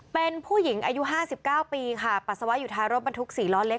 เป็นผู้หญิงอายุห้าสิบเก้าปีค่ะปัสสาวะอยู่ท้ายรถบรรทุกสี่ล้อเล็ก